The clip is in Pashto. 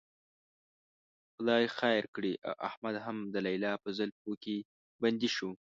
خدای خیر کړي، احمد هم د لیلا په زلفو کې بندي شو.